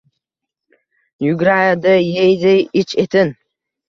Yuguradi, yeydi ich-etin